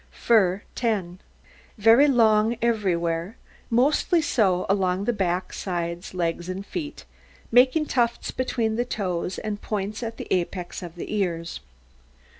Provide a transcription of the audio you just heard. FUR 10 Very long everywhere, mostly so along the back, sides, legs, and feet, making tufts between the toes, and points at the apex of the ears.